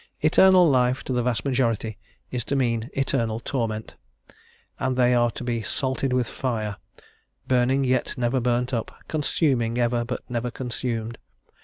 Eternal life, to the vast majority, is to mean eternal torment, and they are to be "salted with fire," burning yet never burnt up, consuming ever but never consumed.